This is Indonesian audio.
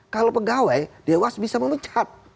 kalau pegawai dewas bisa memecat